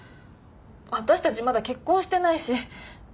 私たちまだ結婚してないし。